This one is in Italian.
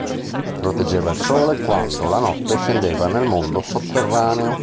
Proteggeva il sole quando, la notte, scendeva nel mondo sotterraneo.